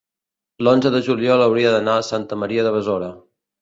l'onze de juliol hauria d'anar a Santa Maria de Besora.